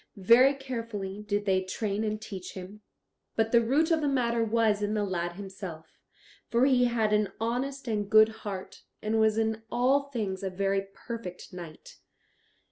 Very carefully did they train and teach him, but the root of the matter was in the lad himself, for he had an honest and good heart, and was in all things a very perfect knight.